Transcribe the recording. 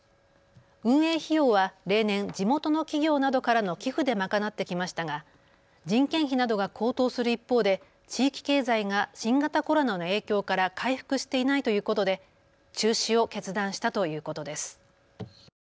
運営費用は例年、地元の企業などからの寄付で賄ってきましたが人件費などが高騰する一方で地域経済が新型コロナの影響から回復していないということで中止を決断したということです。